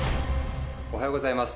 おはようございます。